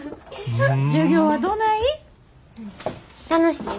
授業はどない？